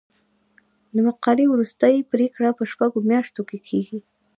د مقالې وروستۍ پریکړه په شپږو میاشتو کې کیږي.